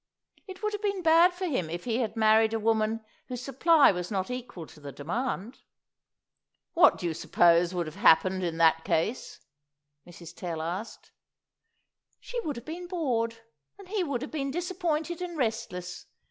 It would have been bad for him if he had married a woman whose supply was not equal to the demand." "What do you suppose would have happened in that case?" Mrs. Tell asked. "She would have been bored, and he would have been disappointed and restless.